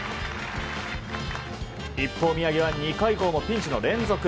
一方、宮城は２回以降もピンチの連続。